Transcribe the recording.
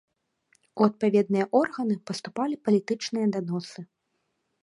У адпаведныя органы паступалі палітычныя даносы.